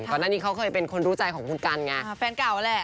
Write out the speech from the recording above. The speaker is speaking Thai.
ก่อนหน้านี้เขาเคยเป็นคนรู้ใจของคุณกันไงแฟนเก่าแหละ